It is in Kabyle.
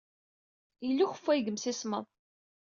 Yella ukeffay deg yemsismeḍ.